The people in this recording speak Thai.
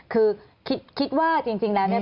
คือคิดว่าจริงแล้วเนี่ย